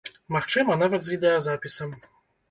Магчыма, нават, з відэазапісам.